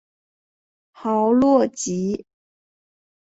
豪洛吉。